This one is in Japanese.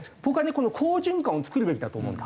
この好循環を作るべきだと思うんだ。